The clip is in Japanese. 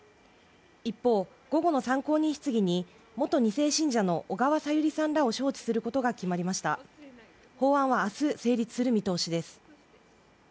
一方午後の参考人質疑に元二世信者の小川さゆりさんらを招致することが決まりました法案は明日成立する見通しです